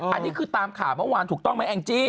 อันนี้คือตามข่าวเมื่อวานถูกต้องไหมแองจี้